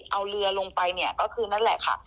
เอาเรือลงไปเนี่ยก็คือนั่นแหละค่ะ